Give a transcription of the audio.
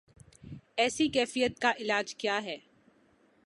ایسی کیفیت کا علاج کیا ہے؟